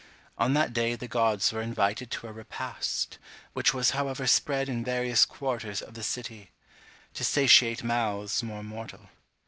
On that day the gods were invited to a repast, which was however spread in various quarters of the city, to satiate mouths more mortal.